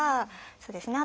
そうですね